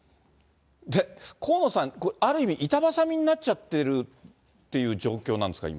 で、河野さん、ある意味板挟みになっちゃってるっていう状況なんですか、今。